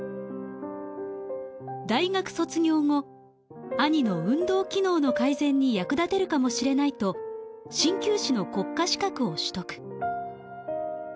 大学卒業後兄の運動機能の改善に役立てるかもしれないと鍼灸師の国家資格を取得。